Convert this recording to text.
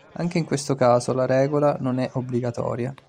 Anche in questo caso la regola non è obbligatoria.